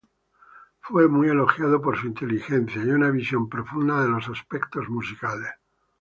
Fue muy elogiado por su inteligencia y una visión profunda de los aspectos musicales.